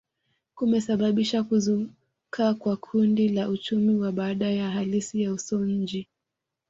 Kumesababisha kuzuka kwa kundi la uchumi wa baada ya hali ya usonji